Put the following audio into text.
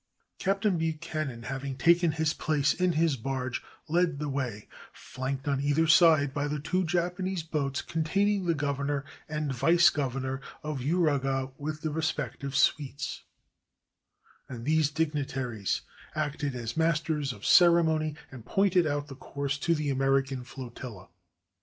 Captain Buchanan, having taken his place in his barge, led the way, flanked on either side by the two Japanese boats containing the governor and vice governor of Uraga with their respective suites; and these dignitaries acted as masters of ceremony and pointed out the course to the American flotilla.